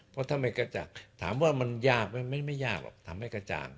เพราะถ้าไม่กระจ่างถามว่ามันยากไหมไม่ยากหรอกทำให้กระจ่าง